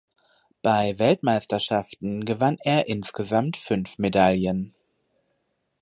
Bei Weltmeisterschaften gewann er insgesamt fünf Medaillen.